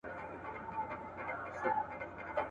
وايی خوب د لېونو دی `